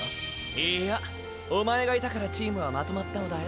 いいやおまえがいたからチームはまとまったのだよ。